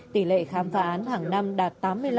tỷ lệ khám phá án hàng năm đạt tám mươi năm